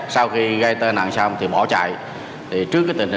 sau khi gây tai nạn tôi đã bỏ trốn khỏi hiện trường trong đêm khuya